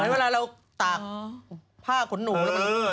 หมายว่าละแหละตากผ้าขนหนู